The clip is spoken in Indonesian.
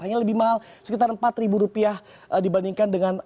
hanya lebih mahal sekitar empat rupiah dibandingkan dengan